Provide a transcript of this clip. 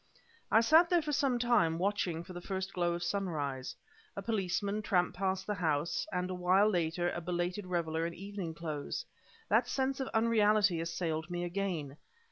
I sat there for some time, watching for the first glow of sunrise. A policeman tramped past the house, and, a while later, a belated reveler in evening clothes. That sense of unreality assailed me again.